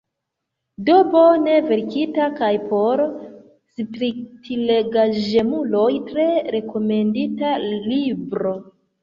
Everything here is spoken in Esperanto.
Do: bone verkita, kaj por spiritlegaĵemuloj tre rekomendinda libro.